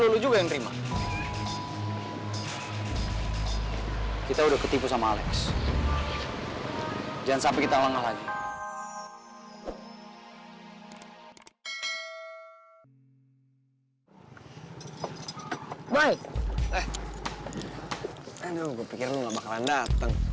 aduh gue pikir lo gak bakalan dateng